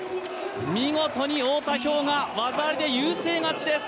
見事に太田彪雅、技ありで優勢勝ちです。